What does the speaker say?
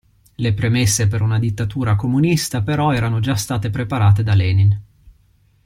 Le premesse per una dittatura comunista però erano già state preparate da Lenin.